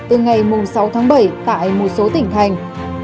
từ ngày sáu tháng bảy tại một số tỉnh thành